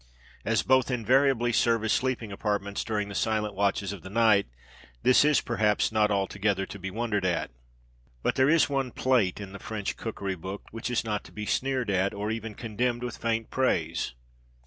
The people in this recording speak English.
As both invariably serve as sleeping apartments during the silent watches of the night, this is, perhaps, not altogether to be wondered at. But there is one plât in the French cookery book which is not to be sneered at, or even condemned with faint praise.